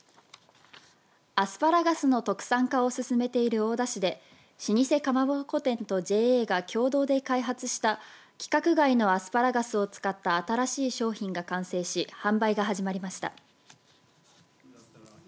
アスパラガスの特産化を進めている大田市で老舗かまぼこ店とＪＡが共同で開発した規格外のアスパラガスを使った新しい商品が完成し販売が始まりました。